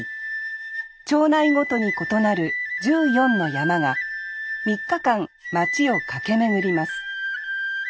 町内ごとに異なる１４の曳山が３日間町を駆け巡ります